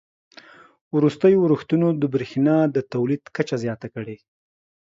وروستیو اورښتونو د بریښنا د تولید کچه زیاته کړې